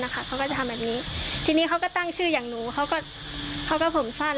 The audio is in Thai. เขาก็จะทำแบบนี้ทีนี้เขาก็ตั้งชื่ออย่างหนูเขาก็ผมสั้น